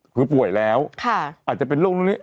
คือป่วยแล้วอาจจะเป็นโรคตรงนี้